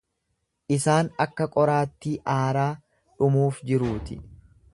Isaan akka qoraattii aaraa dhumuuf jiruuti.